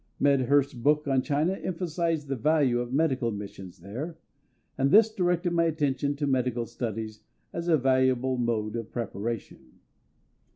Medhurst's book on China emphasised the value of medical missions there, and this directed my attention to medical studies as a valuable mode of preparation.